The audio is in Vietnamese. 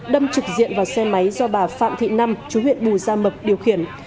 đâm trực diện vào xe máy do bà phạm thị năm chú huyện bù gia mập điều khiển